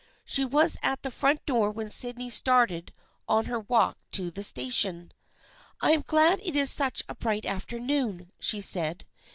She was at the front door when Sydney started on her walk to the station. " I am glad it is such a bright afternoon," she said.